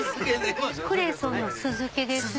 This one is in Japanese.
クレソンの酢漬けですね。